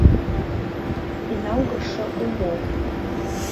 Инаугаша умоуп.